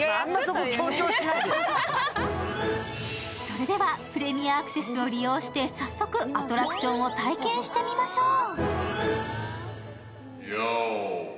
それではプレミアアクセスを利用して早速、アトラクションを体験してみましょう。